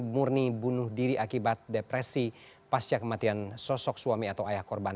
murni bunuh diri akibat depresi pasca kematian sosok suami atau ayah korban